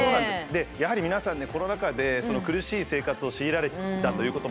やはり皆さんねコロナ禍で苦しい生活を強いられてきたということもあってですね